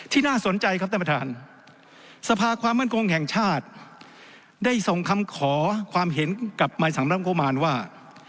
น่าสนใจครับท่านประธานสภาความมั่นคงแห่งชาติได้ส่งคำขอความเห็นกับมายสังรับงบประมาณว่า